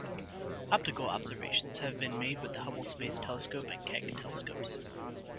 Optical observations have been made with the Hubble Space Telescope and Keck Telescopes.